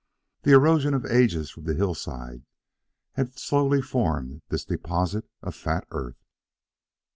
The erosion of ages from the hillside had slowly formed this deposit of fat earth.